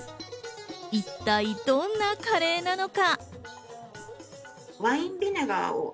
一体どんなカレーなのか。